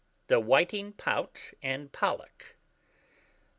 THE WHITING POUT, AND POLLACK.